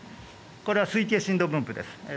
これは推計震度分布です。